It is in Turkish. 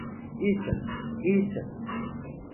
İyisin, iyisin.